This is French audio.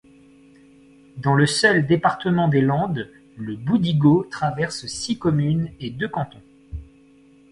Dans le seul département des Landes, le Boudigau traverse six communes et deux cantons.